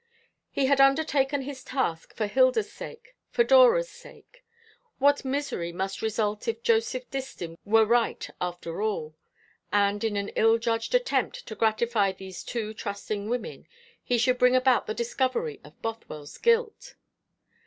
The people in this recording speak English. He had undertaken this task for Hilda's sake, for Dora's sake. What misery must result if Joseph Distin were right after all, and in an ill judged attempt to gratify these two trusting women he should bring about the discovery of Bothwell's guilt!